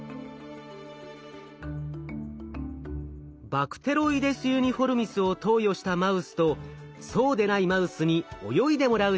バクテロイデス・ユニフォルミスを投与したマウスとそうでないマウスに泳いでもらう実験。